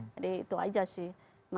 jadi itu saja sih